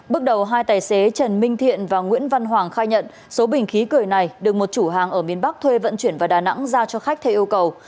bước đầu hai tài xế trần minh thiện và nguyễn văn hoàng khai nhận số bình khí cười này được một chủ hàng ở miền bắc thuê vận chuyển vào đà nẵng giao cho khách theo yêu cầu